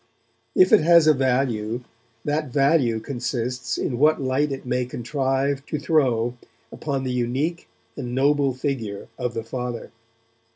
If it has a value, that value consists in what light it may contrive to throw upon the unique and noble figure of the Father.